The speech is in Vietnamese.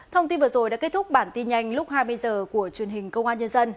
thông tin vừa rồi đã kết thúc bản tin nhanh lúc hai mươi h của truyền hình công an nhân dân